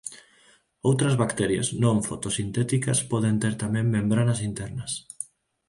Outras bacterias non fotosintéticas poden ter tamén membranas internas.